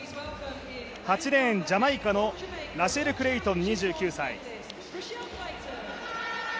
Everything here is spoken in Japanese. ８レーン、ジャマイカのラシェル・クレイトン